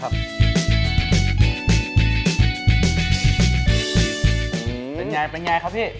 เป็นยังไงครับพี่